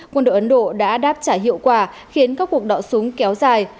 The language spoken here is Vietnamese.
quân đội ấn độ đã đáp trả hiệu quả khiến các cuộc đọ súng kéo dài